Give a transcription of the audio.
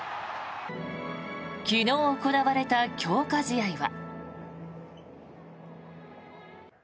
昨日行われた強化試合は。